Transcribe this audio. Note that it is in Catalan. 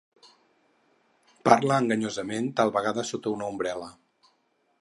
Parla enganyosament, tal vegada sota una ombrel·la.